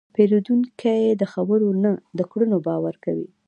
پیرودونکی د خبرو نه، د کړنو باور کوي.